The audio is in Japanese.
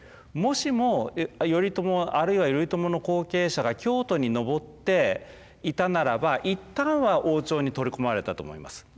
もしも頼朝があるいは頼朝の後継者が京都に上っていたならばいったんは王朝に取り込まれたと思います。